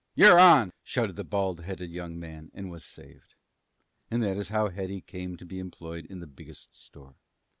"You're on!" shouted the bald headed young man, and was saved. And that is how Hetty came to be employed in the Biggest Store.